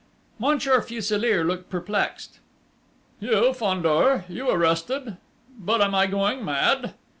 Monsieur Fuselier looked perplexed. "You, Fandor! You arrested!... But am I going mad?"